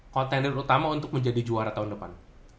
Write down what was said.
kontender utama untuk menjadi juara tahun depan